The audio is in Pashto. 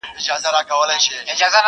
نڅول چي یې سورونو د کیږدیو سهارونه؛